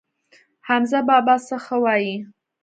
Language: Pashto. حمزه بابا څه ښه وايي.